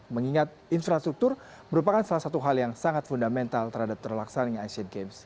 mengingat infrastruktur merupakan salah satu hal yang sangat fundamental terhadap terlaksananya asian games